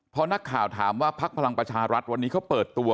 พอนักข่าวถามว่าพักพลังประชารัฐวันนี้เขาเปิดตัว